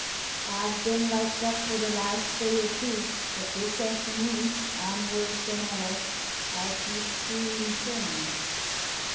''I've been like that for the last day or two, but this afternoon I'm worse than ever. I keep seeing things."